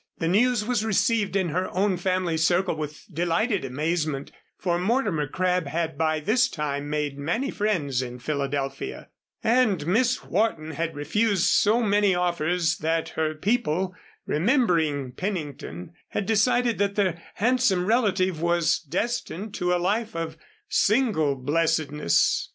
The news was received in her own family circle with delighted amazement, for Mortimer Crabb had by this time made many friends in Philadelphia, and Miss Wharton had refused so many offers that her people, remembering Pennington, had decided that their handsome relative was destined to a life of single blessedness.